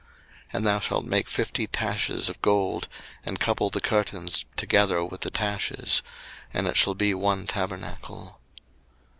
02:026:006 And thou shalt make fifty taches of gold, and couple the curtains together with the taches: and it shall be one tabernacle.